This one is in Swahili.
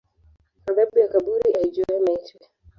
Adhabu ya kaburi aijua maiti